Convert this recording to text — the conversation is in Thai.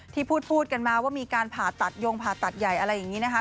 ที่พูดกันมาว่ามีการผ่าตัดยงผ่าตัดใหญ่อะไรอย่างนี้นะคะ